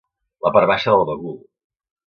La part baixa del bagul.